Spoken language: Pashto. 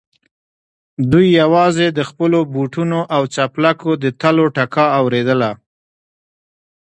دوی يواځې د خپلو بوټونو او څپلکو د تلو ټکا اورېدله.